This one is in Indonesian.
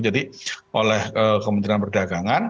jadi oleh kemudian berdagangan